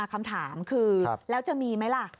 คำถามคือแล้วจะมีไหมล่ะ